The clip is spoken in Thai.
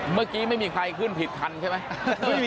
เมื่อกี้ไม่มีใครขึ้นผิดคันใช่ไหม